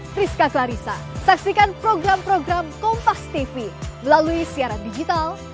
tidak sama sama ibu saja